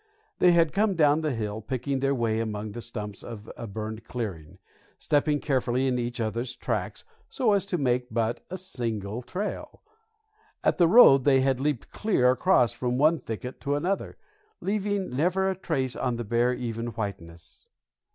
They had come down the hill, picking their way among the stumps of a burned clearing, stepping carefully in each other's tracks so as to make but a single trail. At the road they had leaped clear across from one thicket to another, leaving never a trace on the bare even whiteness.